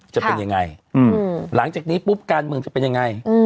จะเป็นยังไงหลังจากนี้ปุ๊บการเมืองจะเป็นยังไง